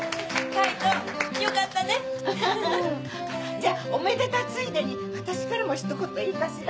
じゃおめでたついでに私からもひと言いいかしら！？